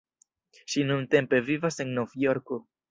Ŝi nuntempe vivas en Novjorko.